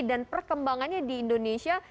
dan perkembangannya di indonesia